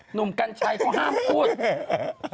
หนุ่มกัญชัยเขาห้ามพูด